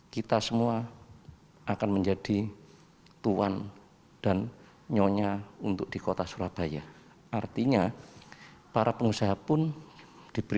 kita semua akan menjadi tuan dan nyonya untuk di kota surabaya artinya para pengusaha pun diberi